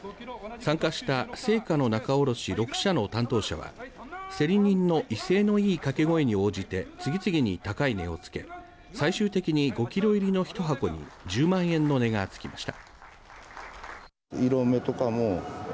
参加した成果の仲卸６社の担当者は競り人の威勢のいいかけ声に応じて次々に高い値をつけ最終的に５キロ入りの１箱に１０万円の値がつきました。